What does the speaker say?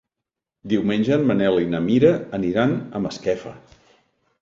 Diumenge en Manel i na Mira aniran a Masquefa.